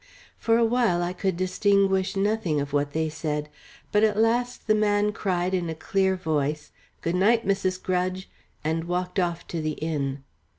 For a while I could distinguish nothing of what they said, but at last the man cried in a clear voice, "Good night, Mrs. Grudge," and walked off to the inn.